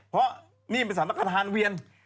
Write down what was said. เพราะนี่เป็นสังฆราณเวียน